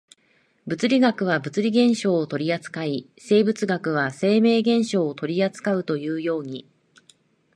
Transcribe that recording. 物理学は物理現象を取扱い、生物学は生命現象を取扱うというように、